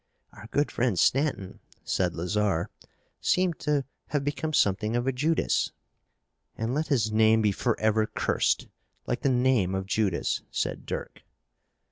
"Our good friend, Stanton," said Lazarre, "seems to have become something of a Judas." "And let his name be forever cursed, like the name of Judas," said Dirk.